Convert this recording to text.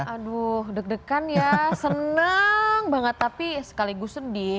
aduh deg degan ya seneng banget tapi sekaligus sedih